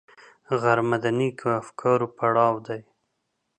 غرمه د نېکو افکارو پړاو دی